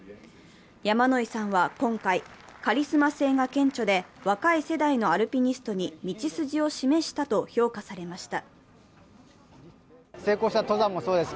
山野井さんは今回、カリスマ性が顕著で若い世代のアルピニストに道筋を示したと評価されました。